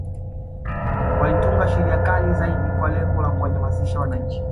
Walitunga Sheria kali zaidi kwa lengo la kuwanyamanzisha wananchi